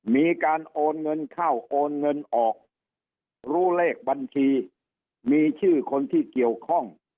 มีการโอนเงินเข้าโอนเงินออกรู้เลขบัญชีมีชื่อคนที่เกี่ยวข้อง